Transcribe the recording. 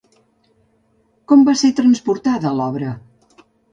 Com va ser transportada l'obra?